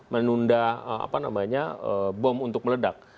menunda bom untuk meledak